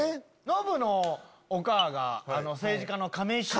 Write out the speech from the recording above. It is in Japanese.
ノブのおかあが政治家の亀井静香。